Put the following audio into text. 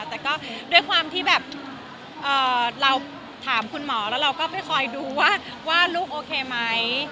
แต่ก็ด้วยความที่แบบเราถามคุณหมอแล้วเราก็ไปคอยดูว่าลูกโอเคไหม